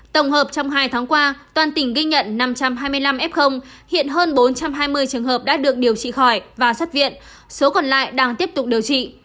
tổng hợp trong hai tháng qua toàn tỉnh ghi nhận năm trăm hai mươi năm f hiện hơn bốn trăm hai mươi trường hợp đã được điều trị khỏi và xuất viện số còn lại đang tiếp tục điều trị